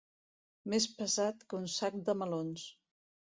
Més pesat que un sac de melons.